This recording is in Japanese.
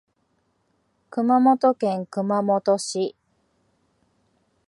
熊本県熊本市